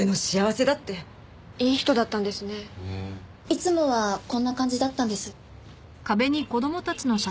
いつもはこんな感じだったんです。